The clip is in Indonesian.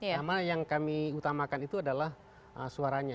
nama yang kami utamakan itu adalah suaranya